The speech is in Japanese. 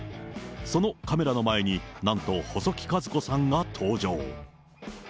そのカメラの前に、なんと細木数子さんが登場。